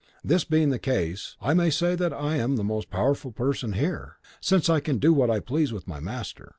This being the case, I may say that I am the most powerful person here, since I can do what I please with my master.